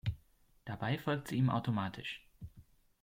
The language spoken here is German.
Dabei folgt sie ihm automatisch.